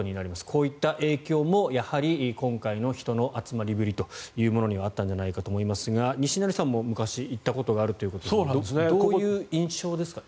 こういった影響もやはり今回の人の集まりぶりというものにはあったんじゃないかと思いますが西成さんも昔、行ったことがあるということですがどういう印象ですか？